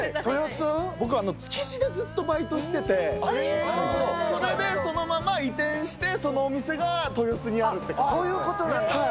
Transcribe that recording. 僕は築地でずっとバイトしてて、それでそのまま移転して、そのお店が豊洲にあるって感じですね。